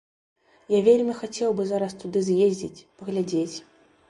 Я вельмі хацеў бы зараз туды з'ездзіць, паглядзець.